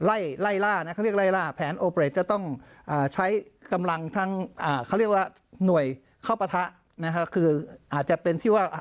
อ่าเขาเรียกว่าหน่วยข้าวปะทะนะฮะคืออาจจะเป็นที่ว่า